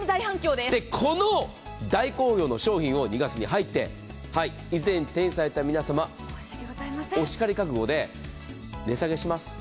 この大好評の商品を２月に入って、以前手にされた皆様おしかり覚悟で値下げします。